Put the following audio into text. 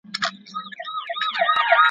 ورینشانه